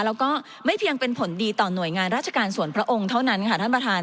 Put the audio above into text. แล้วก็ไม่เพียงเป็นผลดีต่อหน่วยงานราชการส่วนพระองค์เท่านั้นค่ะท่านประธาน